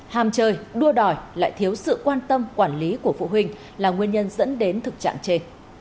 hàm chơi đua đòi lại thiếu sự quan tâm quản lý của phụ huynh là nguyên nhân dẫn đến thực trạng trên